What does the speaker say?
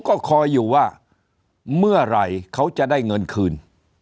ก็คอยอยู่ว่าเมื่อไหร่เขาจะได้เงินคืน